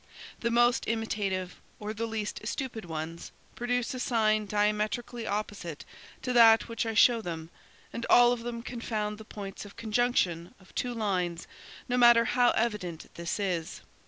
The most imitative, or the least stupid ones, produce a sign diametrically opposite to that which I show them and all of them confound the points of conjunction of two lines no matter how evident this is.